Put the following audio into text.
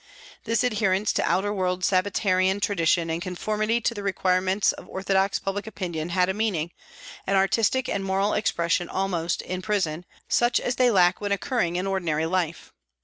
This adherence to outer world Sabbatarian tradition and conformity to the require ments of orthodox public opinion had a meaning, an artistic and moral expression almost, in prison, such as they lack when occurring in ordinary life.